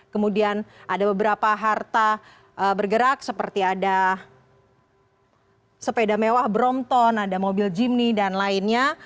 kemudian ada beberapa harta bergerak seperti ada sepeda mewah brompton ada mobil jimny dan lainnya